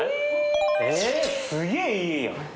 すげえいい家やん。